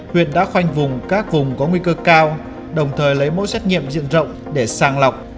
huyện đã khoanh vùng các vùng có nguy cơ cao đồng thời lấy mẫu xét nghiệm diện rộng để sàng lọc